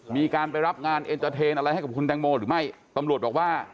มีการไปรับงานเอ็นเตอร์เทนอะไรให้กับคุณแตงโมหรือไม่ตำรวจบอกว่า